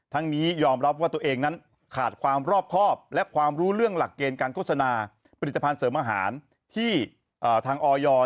ทั้งนี้ยอมรับว่าตัวเองนั้น